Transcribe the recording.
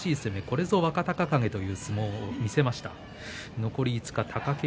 これぞ若隆景という相撲を見せました。